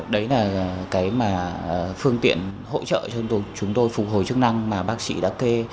đấy là cái mà phương tiện hỗ trợ cho chúng tôi phục hồi chức năng mà bác sĩ đã kê